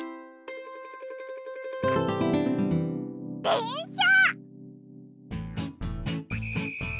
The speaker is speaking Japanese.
でんしゃ！